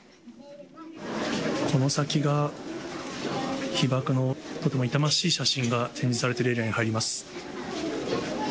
この先が被爆のとても痛ましい写真が展示されているエリアに入ります。